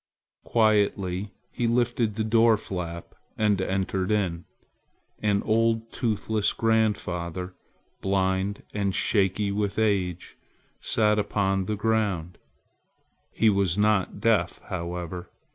Quietly he lifted the door flap and entered in. An old toothless grandfather, blind and shaky with age, sat upon the ground. He was not deaf however.